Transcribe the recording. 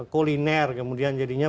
kuliner kemudian jadinya